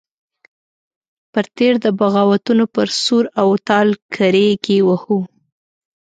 پر تېر د بغاوتونو پر سور او تال کرېږې وهو.